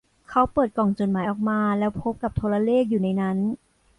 เขาเปิดกล่องจดหมายออกมาแล้วพบกับโทรเลขอยู่ในนั้น